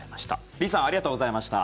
リさんありがとうございました。